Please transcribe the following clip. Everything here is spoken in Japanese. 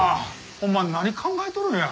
ほんまに何考えとるんや？